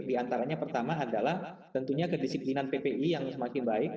di antaranya pertama adalah tentunya kedisiplinan ppi yang semakin baik